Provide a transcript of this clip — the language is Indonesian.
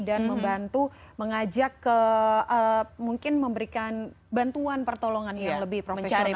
dan membantu mengajak ke mungkin memberikan bantuan pertolongan yang lebih profesional lagi ya